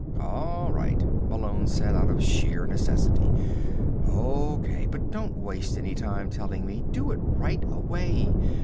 "All right," Malone said, out of sheer necessity. "O.K. But don't waste any time telling me. Do it right away.